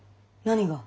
何が？